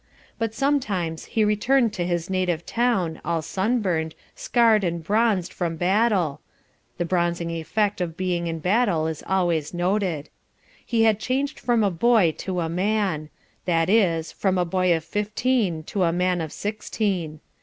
But sometimes he returned to his native town, all sunburned, scarred and bronzed from battle (the bronzing effect of being in battle is always noted): he had changed from a boy to a man: that is, from a boy of fifteen to a man of sixteen.